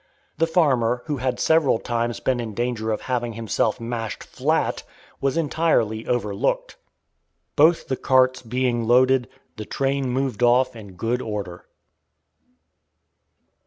The farmer, who had several times been in danger of having himself mashed flat, was entirely overlooked. Both the carts being loaded, the train moved off in good order.